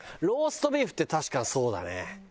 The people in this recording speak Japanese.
ローストビーフって確かにそうだね。